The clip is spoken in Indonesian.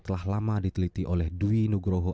telah lama diteliti oleh dwi nugroho